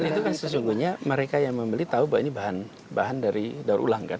dan itu kan sesungguhnya mereka yang membeli tahu bahwa ini bahan dari darulah kan